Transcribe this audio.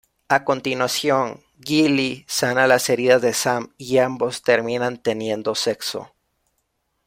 A continuación, Gilly sana las heridas de Sam y ambos terminan teniendo sexo.